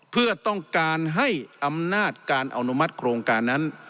เพื่อต้องการให้อำนาจการอนุมัติโครงการนั้น